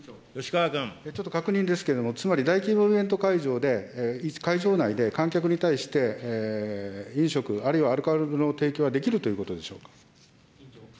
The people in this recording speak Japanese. ちょっと確認ですけれども、つまり、大規模イベント会場で、会場内で、観客に対して、飲食あるいはアルコールの提供はできるということでしょうか。